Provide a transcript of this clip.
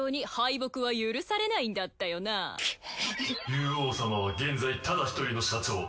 ユウオウ様は現在ただの一人の社長。